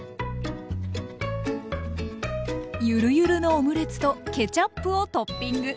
ゆるゆるのオムレツとケチャップをトッピング。